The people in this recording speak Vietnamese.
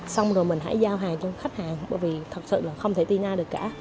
xong rồi mình hãy giao hàng cho khách hàng bởi vì thật sự là không thể tin ai được cả